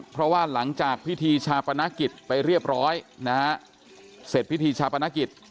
เพราะว่าหลังจากพิธีชาปนกิจไปเรียบร้อยนะฮะเสร็จพิธีชาปนกิจ